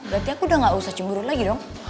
berarti aku udah gak usah cemburu lagi dong